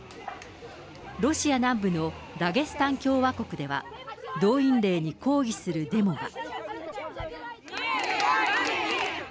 ロシア南部のダゲスタン共和国では、動員令に抗議するデモが。